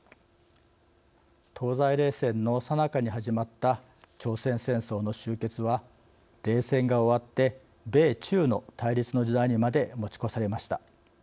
東西冷戦のさなかに始まった朝鮮戦争の終結は冷戦が終わって米中の対立の時代にまで持ち越されました。